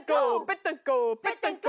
ペッタンコ！